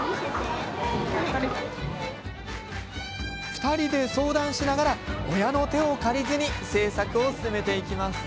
２人で相談しながら親の手を借りずに製作を進めていきます。